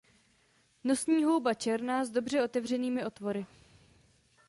Nosní houba černá s dobře otevřenými otvory.